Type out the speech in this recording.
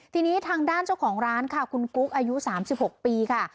ทีนี้ทางด้านเจ้าของร้านค่ะคุณกุ๊กอายุ๓๖ปีค่ะ